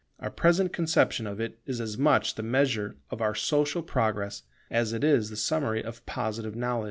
Our present conception of it is as much the measure of our social progress as it is the summary of Positive knowledge.